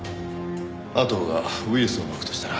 阿藤がウイルスを撒くとしたら。